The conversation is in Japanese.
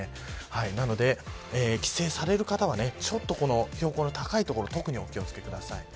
なので、帰省される方は標高の高い所特にお気を付けください。